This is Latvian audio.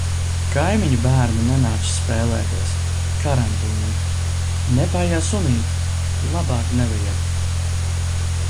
Kaimiņu bērni nenāks spēlēties. Karantīna. Nepaijā sunīti. Labāk nevajag.